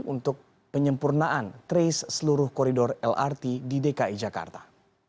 untuk penyempurnaan trace seluruh koridor lrt di dki jakarta